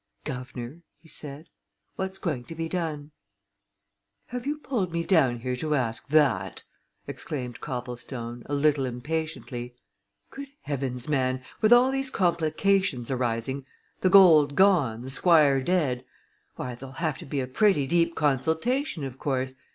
"Guv'nor!" he said. "What's going to be done?" "Have you pulled me down here to ask that?" exclaimed Copplestone, a little impatiently. "Good heavens, man, with all these complications arising the gold gone, the Squire dead why, there'll have to be a pretty deep consultation, of course.